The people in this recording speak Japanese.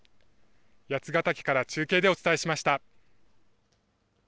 八ヶ岳から中継でお伝えしました。